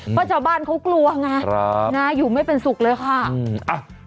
เพราะเจ้าบ้านเขากลัวไงอยู่ไม่เป็นสุขเลยค่ะครับครับ